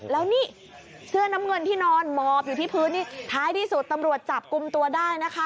แล้วนี่เสื้อน้ำเงินที่นอนหมอบอยู่ที่พื้นนี่ท้ายที่สุดตำรวจจับกลุ่มตัวได้นะคะ